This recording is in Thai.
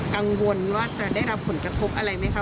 กังวลว่าจะได้รับผลกระทบอะไรไหมคะ